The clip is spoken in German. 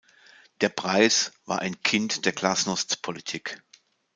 Der Preis war ein Kind der Glasnost-Politik.